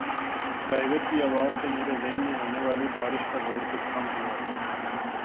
driver کی آواز سے میرے ذہن میں ہونے والی بار ش کا زور کچھ کم ہوا